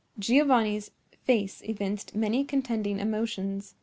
Giovanni's face evinced many contending emotions.